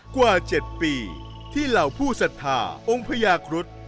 กว่า๗ปีที่เหล่าผู้ศรัทธาองค์พญาครุฑ